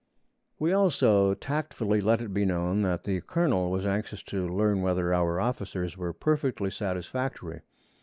We also tactfully let it be known that the colonel was anxious to learn whether our officers were perfectly satisfactory.